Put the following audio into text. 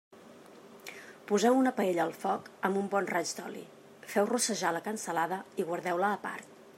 Poseu una paella al foc, amb un bon raig d'oli, feu rossejar la cansalada i guardeu-la a part.